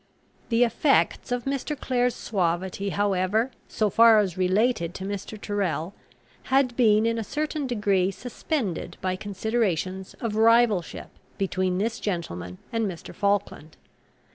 The effects of Mr. Clare's suavity however, so far as related to Mr. Tyrrel, had been in a certain degree suspended by considerations of rivalship between this gentleman and Mr. Falkland.